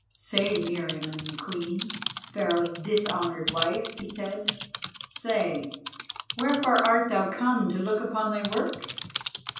"Say, Meriamun the Queen—Pharaoh's dishonoured wife," he said, "say, wherefore art thou come to look upon thy work?